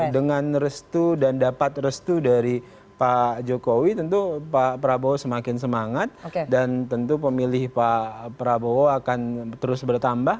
dengan restu dan dapat restu dari pak jokowi tentu pak prabowo semakin semangat dan tentu pemilih pak prabowo akan terus bertambah